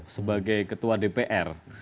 sebagai ketua dpr